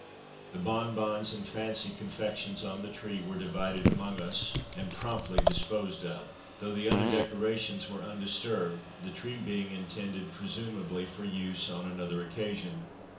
The .bon bons and fancy confections on the tree were divided among us and promptly disposed of, though the other decorations were undisturbed, the 7\ Royal Christmas Tree tree being intended, presumably, for use on another occasion.